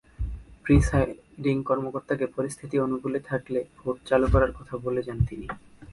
Presiding কর্মকর্তাকে পরিস্থিতি অনুকূলে থাকলে ভোট চালু করার কথা বলে যান তিনি।